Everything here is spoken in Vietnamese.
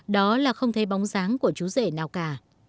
đó là không thấy bóng dáng của chú rể nào cả